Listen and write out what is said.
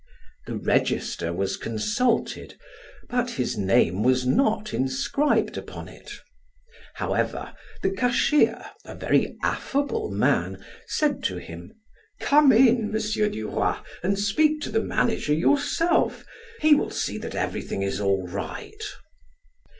The register was consulted, but his name was not inscribed upon it. However, the cashier, a very affable man, said to him: "Come in, M. Duroy, and speak to the manager yourself; he will see that everything is all right."